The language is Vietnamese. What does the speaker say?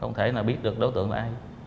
không thể là biết được đối tượng là ai